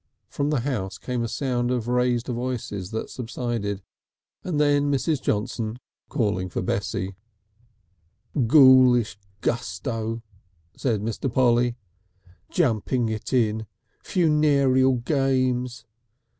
From the house came a sound of raised voices that subsided, and then Mrs. Johnson calling for Bessie. "Gowlish gusto," said Mr. Polly. "Jumping it in. Funererial Games.